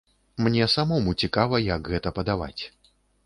Мне самому цікава, як гэта падаваць.